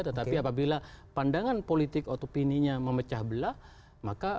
tetapi apabila pandangan politik atau opininya memecah belah makin banyak